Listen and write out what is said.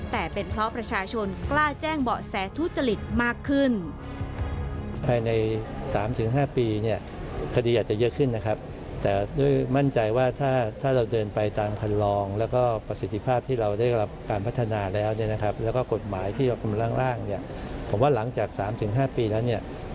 แต่เป็นเพราะประชาชนกล้าแจ้งเบาะแสทุจริตมากขึ้น